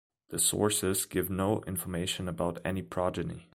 The sources give no information about any progeny.